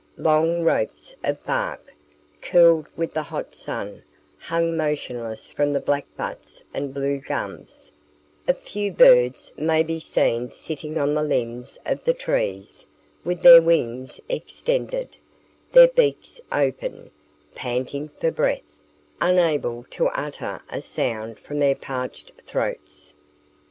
Long ropes of bark, curled with the hot sun, hang motionless from the black butts and blue gums; a few birds may be seen sitting on the limbs of the trees, with their wings extended, their beaks open, panting for breath, unable to utter a sound from their parched throats.